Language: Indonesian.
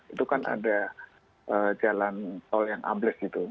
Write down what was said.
itu kan ada jalan tol yang ambles gitu